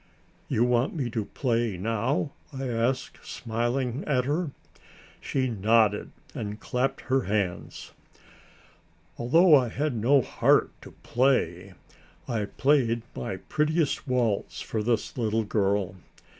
"You want me to play now?" I asked, smiling at her. She nodded and clapped her hands. Although I had no heart to play, I played my prettiest waltz for this little girl.